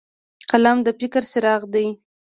قلم د فکر څراغ دی